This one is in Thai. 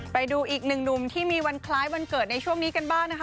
ไปดูอีกหนึ่งหนุ่มที่มีวันคล้ายวันเกิดในช่วงนี้กันบ้างนะคะ